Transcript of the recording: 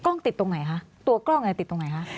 กล้องติดตรงไหนฮะตัวกล้องไหนติดตรงไหนฮะ